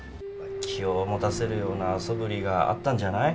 気を持たせるようなそぶりがあったんじゃない？